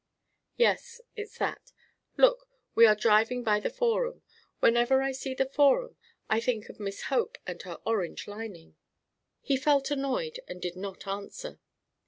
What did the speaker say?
"Yes, it's that. Look, we are driving by the Forum. Whenever I see the Forum, I think of Miss Hope and her orange lining." He felt annoyed and did not answer.